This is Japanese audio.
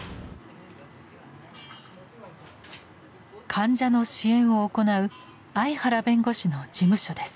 患者の支援を行う相原弁護士の事務所です。